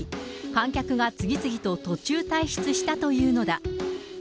観客が次々と途中退出したというのだ。